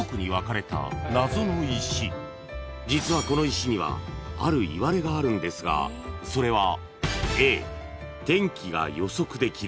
［実はこの石にはあるいわれがあるんですがそれは］